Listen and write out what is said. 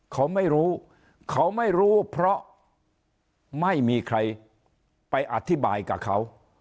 เขาไม่รู้เขาไม่รู้เพราะไม่มีใครไปอธิบายกับเขา